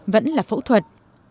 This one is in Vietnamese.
vẫn là phẫu thuật